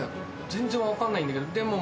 全然分かんないんだけどでも。